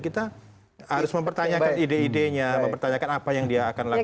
kita harus mempertanyakan ide idenya mempertanyakan apa yang dia akan lakukan